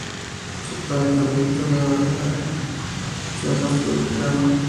Su padre, Carleton Edward Zahn, es un pastor luterano.